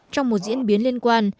trong một diễn biến liên quan